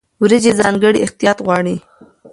وریجې ځانګړی احتیاط غواړي.